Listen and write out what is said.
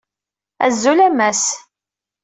Azul a mass.